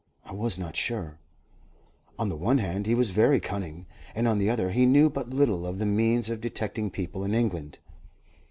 I was not sure. On the one hand, he was very cunning, and, on the other, he knew but little of the means of detecting people in England.